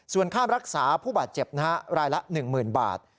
ส่วนค่ารักษาผู้บาดเจ็บรายละ๑๐๐๐บาท